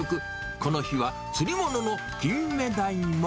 この日は釣りもののキンメダイも。